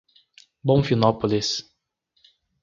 Bonfinópolis